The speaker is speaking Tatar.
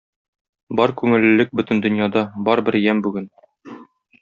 Бар күңеллелек бөтен дөньяда, бар бер ямь бүген.